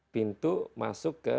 pintu masuk ke